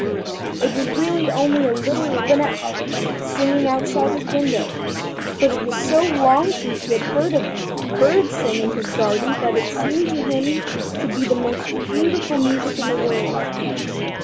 It was really only a little linnet singing outside his window, but it was so long since he had heard a bird sing in his garden that it seemed to him to be the most beautiful music in the world.